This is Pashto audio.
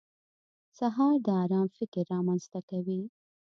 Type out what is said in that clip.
سهار د ارام فکر رامنځته کوي.